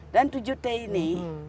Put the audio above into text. dan tujuh t ini